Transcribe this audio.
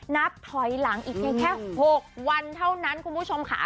นับถอยหลังอีกเพียงแค่๖วันเท่านั้นคุณผู้ชมค่ะ